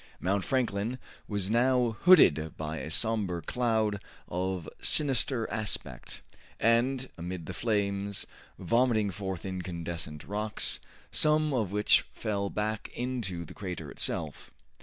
Mount Franklin was now hooded by a somber cloud of sinister aspect, and, amid the flames, vomiting forth incandescent rocks, some of which fell back into the crater itself.